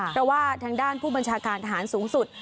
เพราะว่าทางด้านผู้บัญชาการทหารสูงสุด